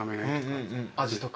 味とか。